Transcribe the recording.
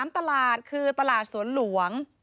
๓ตลาดคือตลาดสวนหลวง